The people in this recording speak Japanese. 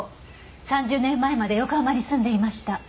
３０年前まで横浜に住んでいました。